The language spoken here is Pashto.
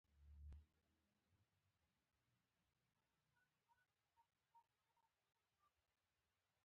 مجبور وم چې د هغې تر راتګ پورې په دفتر کې ورته منتظر شم.